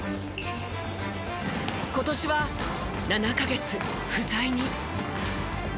今年は７カ月不在に。